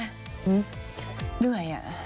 เหมือนเหนื่อยอ่ะ